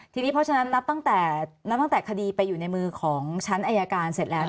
ทีนี้เพราะฉะนั้นนับตั้งแต่นับตั้งแต่คดีไปอยู่ในมือของชั้นอายการเสร็จแล้ว